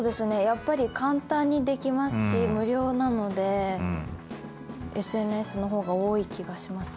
やっぱり簡単にできますし無料なのでＳＮＳの方が多い気がしますね。